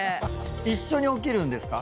一緒に起きるんですか？